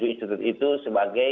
institut itu sebagai